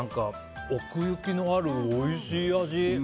奥行きのあるおいしい味。